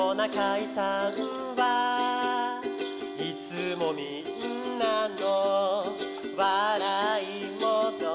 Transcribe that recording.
「いつもみんなのわらいもの」